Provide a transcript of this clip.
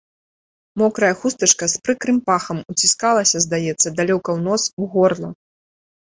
Мокрая хустачка з прыкрым пахам уціскалася, здаецца, далёка ў нос, у горла.